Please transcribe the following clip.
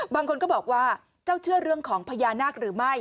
บางคนก็บอกว่าเจ้าเชื่อเรื่องของพญานาคหรือไม่